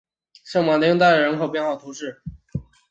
圣马丁代来人口变化图示